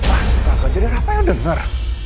astaga jadi rafael dengar